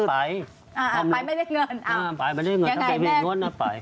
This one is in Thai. ไปไม่ได้เงิน